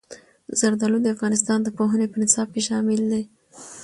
زردالو د افغانستان د پوهنې په نصاب کې شامل دي.